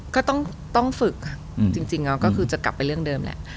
ก็ต้องฝึกค่ะจริงแล้วก็คือจะกลับไปเรื่องเดิมแหละ